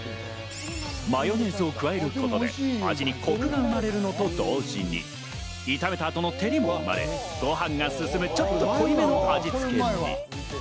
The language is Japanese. マヨネーズを加えることで味にコクが生まれるのと同時に炒めた後の照りも生まれ、ご飯がすすむ、ちょっと濃いめの味つけに。